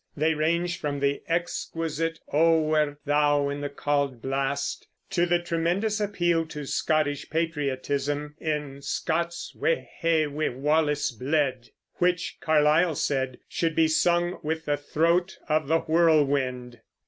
They range from the exquisite "O wert thou in the cauld blast," to the tremendous appeal to Scottish patriotism in "Scots wha hae wi' Wallace bled," which, Carlyle said, should be sung with the throat of the whirlwind.